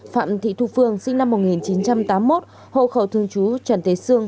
phạm thị thu phương sinh năm một nghìn chín trăm tám mươi một hộ khẩu thương chú trần thế sương